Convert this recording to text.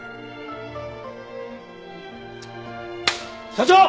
社長！